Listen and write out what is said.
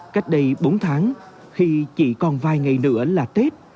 cách đây bốn tháng khi chỉ còn vài ngày nữa là tết